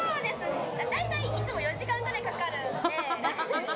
大体いつも４時間ぐらいかかるんで。